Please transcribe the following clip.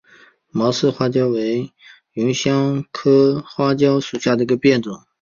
毛刺花椒为芸香科花椒属下的一个变种。